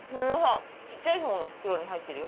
小っちゃいほうの袋に入ってるよ。